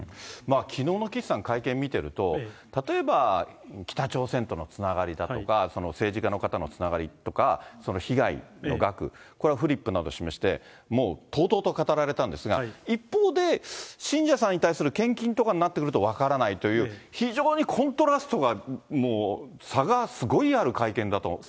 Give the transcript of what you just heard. きのうの岸さん、会見見てると、例えば北朝鮮とのつながりだとか、政治家の方のつながりとか、被害の額、これはフリップなど示して、もうとうとうと語られたんですが、一方で、信者さんに対する献金とかになってくると分からないという、非常にコントラストがもう、差がすごいある会見だと。